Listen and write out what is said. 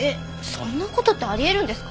そんな事ってあり得るんですか？